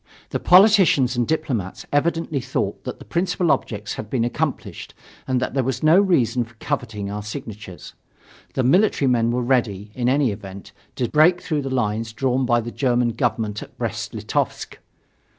The politicians and diplomats evidently thought that the principal objects had been accomplished and that there was no reason for coveting our signatures. The military men were ready, in any event, to break through the lines drawn by the German Government at Brest Litovsk.